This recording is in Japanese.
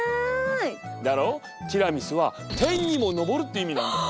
ティラミスは「天にものぼる」っていう意味なんだよ。